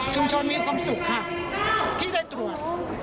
มีความสุขค่ะที่ได้ตรวจ